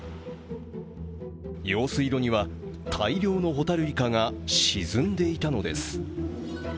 用水路には大量のホタルイカが沈んでいたのです。